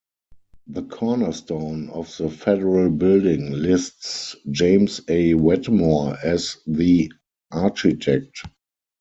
The cornerstone of the Federal Building lists James A. Wetmore as the architect.